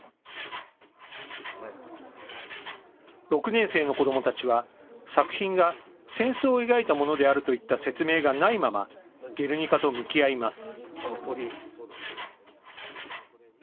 ６年生の子どもたちは作品が戦争を描いたものであるといった説明がないままゲルニカと向き合います。